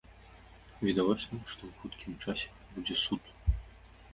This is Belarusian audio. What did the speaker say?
Відавочна, што ў хуткім часе будзе суд.